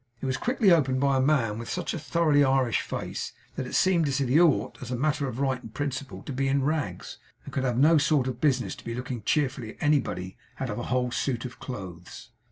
It was quickly opened by a man with such a thoroughly Irish face, that it seemed as if he ought, as a matter of right and principle, to be in rags, and could have no sort of business to be looking cheerfully at anybody out of a whole suit of clothes.